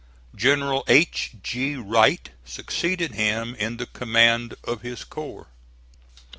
General H. G. Wright succeeded him in the command of his corps.